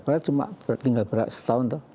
padahal cuma tinggal berat setahun tuh